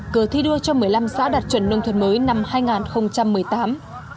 cờ thi đua cho một mươi năm xã đạt chuẩn nông thôn mới năm hai nghìn một mươi tám